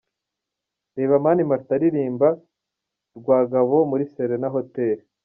Reba Mani Martin aririmba Rwagaabo muri Serena Hotel:.